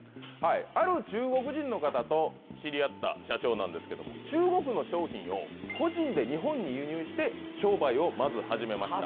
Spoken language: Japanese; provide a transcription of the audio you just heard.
ある中国人の方と知り合った社長なんですけども中国の商品を個人で日本に輸入して商売をまず始めました